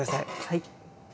はい。